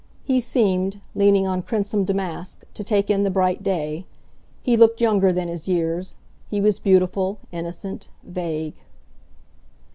He seemed, leaning on crimson damask, to take in the bright day. He looked younger than his years; he was beautiful, innocent, vague.